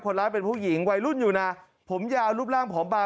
คนร้ายเป็นผู้หญิงวัยรุ่นอยู่นะผมยาวรูปร่างผอมบาง